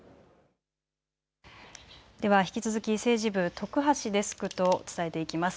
では引き続き政治部、徳橋デスクと伝えていきます。